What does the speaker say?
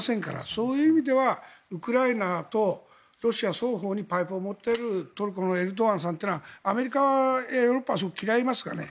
そういう意味ではウクライナとロシア双方にパイプを持っているトルコのエルドアンさんはアメリカやヨーロッパは嫌いますかね。